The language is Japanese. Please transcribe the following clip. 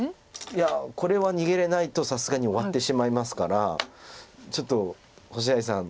いやこれは逃げれないとさすがに終わってしまいますからちょっと星合さん